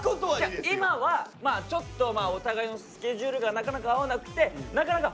今はちょっとお互いのスケジュールがなかなか合わなくてなかなか。